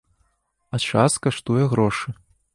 А час каштуе грошы.